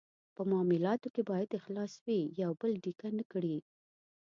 په معالاتو کې باید اخلاص وي، یو بل ډیکه نه کړي.